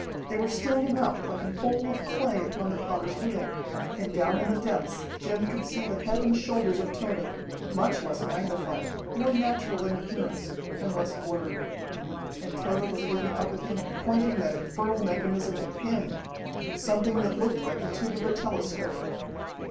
They were standing up like a bowl of clay upon the potter's wheel, and down in the depths Jim could see the head and shoulders of Tode, much less magnified, more natural in appearance, and less blurred. And Tode was looking up at him and pointing that infernal mechanism at him something that looked like the tube of a telescope.